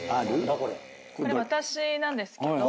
これ私なんですけど。